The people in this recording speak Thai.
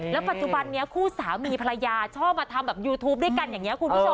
ปัจจุบันนี้คู่สามีภรรยาชอบมาทำแบบยูทูปด้วยกันอย่างนี้คุณผู้ชม